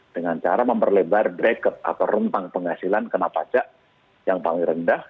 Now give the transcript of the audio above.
dengan cara memperlebar drake atau rentang penghasilan kena pajak yang paling rendah